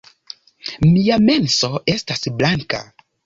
Mia menso estas blanka